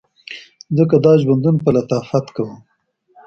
ځکه دا ژوندون په لطافت کوم